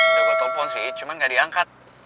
udah gue telepon sih cuman gak diangkat